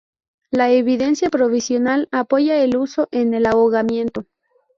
La evidencia provisional apoya el uso en el ahogamiento.